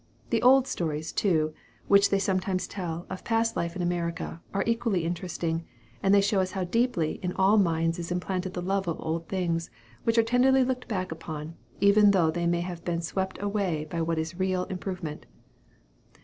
The old stories, too, which they sometimes tell of past life in America, are equally interesting; and they show us how deeply in all minds is implanted the love of old things, which are tenderly looked back upon, even though they may have been swept away by what is real improvement.